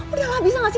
udah lah bisa gak sih